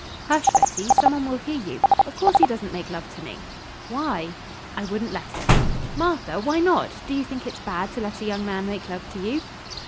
"Hush, Betty, some one will hear you. Of course he doesn't make love to me!" "Why?" "I wouldn't let him." "Martha! Why not? Do you think it's bad to let a young man make love to you?"